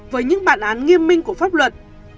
với những bản án nghiêm minh của pháp luật